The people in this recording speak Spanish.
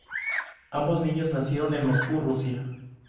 Ambos niños nacieron en Moscú, Rusia.